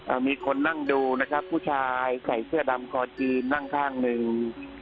มีคนนั่งดูนะครับผู้ชายใส่เสื้อดำคอจีนนั่งข้างหนึ่ง